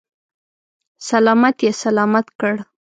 سلامت یې سلامت کړ.